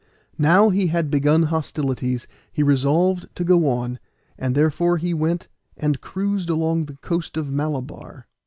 Now he had begun hostilities he resolved to go on, and therefore he went and cruised along the coast of Malabar.